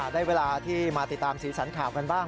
ได้เวลาที่มาติดตามสีสันข่าวกันบ้าง